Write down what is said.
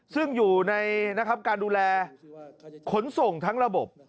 ซึ่งอยู่ในการดูแลขนส่งทั้งระบบ